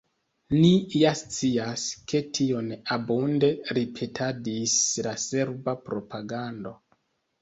Ni ja scias, ke tion abunde ripetadis la serba propagando.